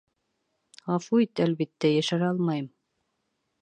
Ғәфү ит, әлбиттә, йәшерә алмайым.